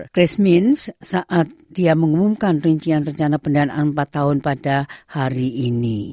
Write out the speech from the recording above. chris mins saat dia mengumumkan rincian rencana pendanaan empat tahun pada hari ini